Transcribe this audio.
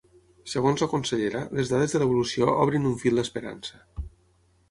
Segons la consellera, les dades de l’evolució ‘obren un fil d’esperança’.